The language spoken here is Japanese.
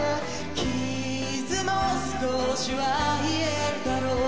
「傷も少しは癒えるだろう？」